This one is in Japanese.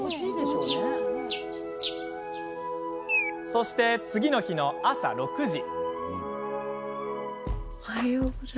そして次の日の朝６時。